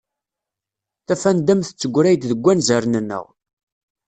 Tafanda-m tettegray-d deg wanzaren-nneɣ.